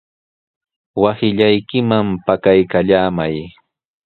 Wasillaykiman pakaykallamay.